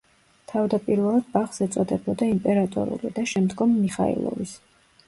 თავდაპირველად ბაღს ეწოდებოდა „იმპერატორული“ და შემდგომ „მიხაილოვის“.